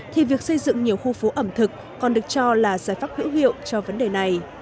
thì việc xây dựng nhiều khu phố ẩm thực còn được cho là giải pháp hữu hiệu cho vấn đề này